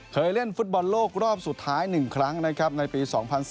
เคยเล่นฟุตบอลโลกรอบสุดท้าย๑ครั้งนะครับในปี๒๐๑๘